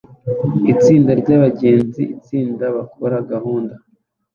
itsinda ryabagize itsinda bakora gahunda